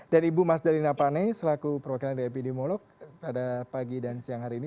dan ibu mas dalina pane selaku perwakilan dapd molok pada pagi dan siang hari ini